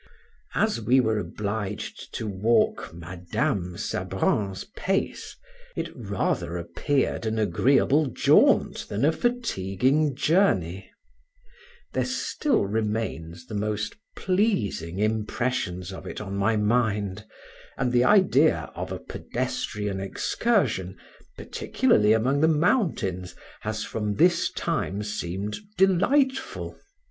As we were obliged to walk Madam Sabran's pace, it rather appeared an agreeable jaunt than a fatiguing journey; there still remains the most pleasing impressions of it on my mind, and the idea of a pedestrian excursion, particularly among the mountains, has from this time seemed delightful.